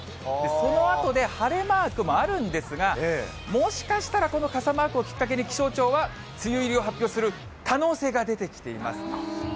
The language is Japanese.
そのあとで晴れマークもあるんですが、もしかしたらこの傘マークをきっかけに気象庁は梅雨入りを発表する可能性が出てきています。